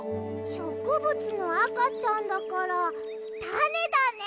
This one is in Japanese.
しょくぶつのあかちゃんだからたねだね！